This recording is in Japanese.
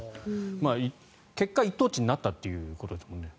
結果、一等地になったということですもんね。